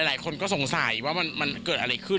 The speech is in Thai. หลายคนก็สงสัยว่ามันเกิดอะไรขึ้น